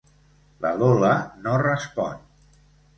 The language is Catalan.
La Lola no respon.